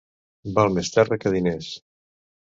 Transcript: Val més terra que diners.